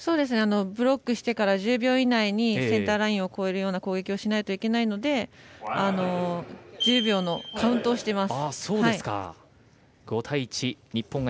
ブロックしてから１０秒以内にセンターラインを超えるような攻撃をしないといけないので１０秒のカウントをしています。